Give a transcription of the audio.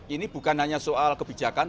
ini bukan hanya soal kebijakan